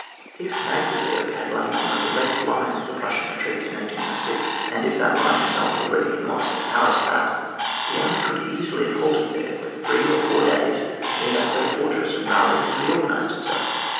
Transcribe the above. If Magdeburg had lain on the direct line of the Prussian retreat in 1 806, and 103 ON WAR. [book VI. if that line had not been already lost at Auerstadt, the army could easily have halted for three or four days near that great fortress, and rallied and reorganised itself.